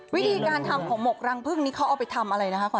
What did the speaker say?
วิธีการทำของหมกรังพึ่งนี้เขาเอาไปทำอะไรนะคะ